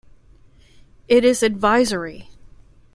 It is advisory.